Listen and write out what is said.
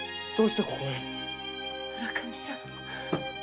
村上さん。